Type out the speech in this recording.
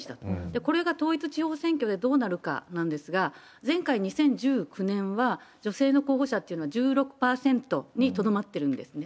これが統一地方選挙でどうなるかなんですが、前回２０１９年は、女性の候補者っていうのは１６％にとどまってるんですね。